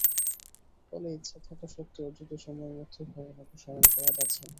ফলে ইচ্ছা থাকা সত্ত্বেও দ্রুত সময়ের মধ্যে ভবন অপসারণ করা যাচ্ছে না।